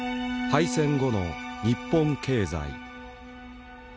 敗戦後の日本経済。